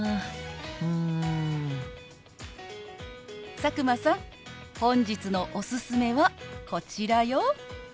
佐久間さん本日のおすすめはこちらよ。